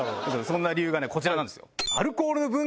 そんな理由がこちらなんですよ。